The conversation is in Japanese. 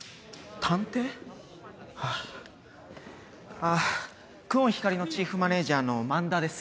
あっ久遠光莉のチーフマネジャーの満田です。